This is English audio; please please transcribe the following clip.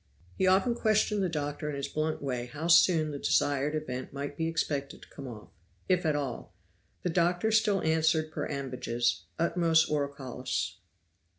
He often questioned the doctor in his blunt way how soon the desired event might be expected to come off, if at all. The doctor still answered per ambages, ut mos oraculis.